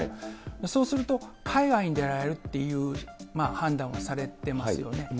そうすると、海外に出られるっていう判断をされてますよね。